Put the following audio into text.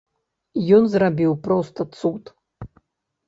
Ён зрабіў проста цуд.